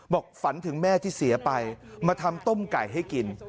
ฝันถึงแม่ที่เสียไปมาทำต้มไก่ให้กิน